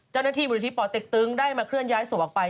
เจ้าหน้าที่บริษัทปติ๊กตึงได้มาเคลื่อนย้ายสวักไป